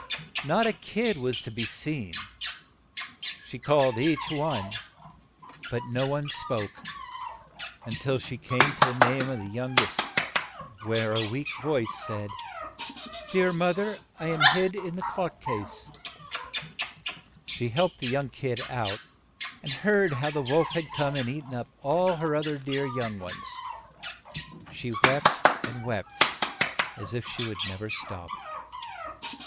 Not a kid was to be seen ; she called each one ; but no one spoke till she came to the name of the young est, when a weak voice said, "Dear moth er, I am hid in the clock case." She helped the young kid out, and heard how the wolf had THE WOLF AT THE BAKERS 18 THE WOLF AND THE SIX LITTLE KIDS come and eat en up all her oth er dear young ones. She wept and wept as if she would nev er stop.